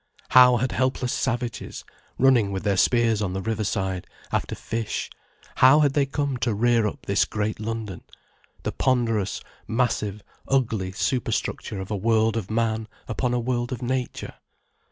How had helpless savages, running with their spears on the riverside, after fish, how had they come to rear up this great London, the ponderous, massive, ugly superstructure of a world of man upon a world of nature!